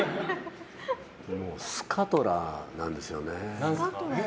もうスカトラーなんですよね。